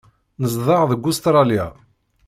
Nezdeɣ deg Ustṛalya.